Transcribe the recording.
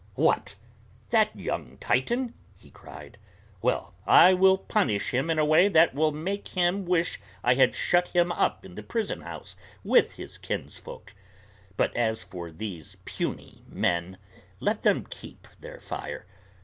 "What! that young Titan!" he cried. "Well, I will punish him in a way that will make him wish I had shut him up in the prison house with his kinsfolk. But as for those puny men, let them keep their fire.